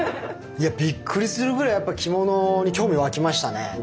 いやびっくりするぐらいやっぱ着物に興味湧きましたね。